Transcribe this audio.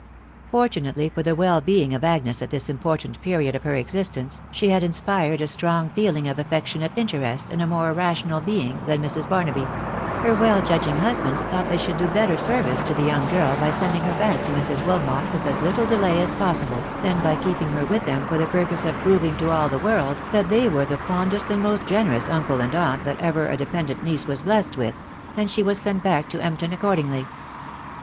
Fortunately for the well being of Agnes at this important period of her existence, she had inspired a strong Seeing ^ *£ectionate interest in a more rational being than Mxi.'&wb THE WIDOW BARNABY. 65 naby ; her well judging husband thought they should do better service to the young girl by sending her back to Mrs.Wilmot with as little delay as possible, than by keeping her with them for the purpose of proving to all the world that they were the fondest and most generous uncle and aunt that ever a depend ant niece was blest with, and she was sent back to Empton accordingly.